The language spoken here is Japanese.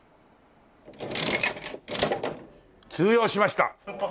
通用しました。